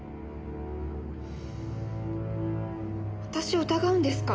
私を疑うんですか？